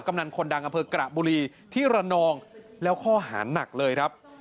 นันคนดังอำเภอกระบุรีที่ระนองแล้วข้อหาหนักเลยครับ